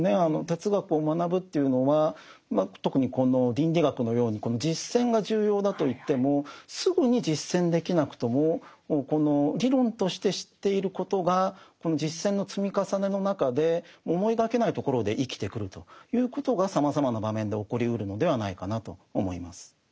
哲学を学ぶというのは特にこの倫理学のように実践が重要だといってもすぐに実践できなくともこの理論として知っていることがこの実践の積み重ねの中で思いがけないところで生きてくるということがさまざまな場面で起こりうるのではないかなと思います。